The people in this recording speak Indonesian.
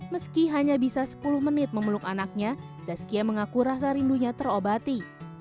meski hanya bisa sepuluh menit memeluk anaknya zazkia mengaku rasa rindunya terobati